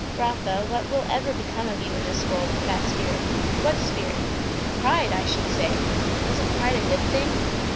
"Rotha, what will ever become of you in this world, with that spirit?" "What spirit?" "Pride, I should say." "Isn't pride a good thing?"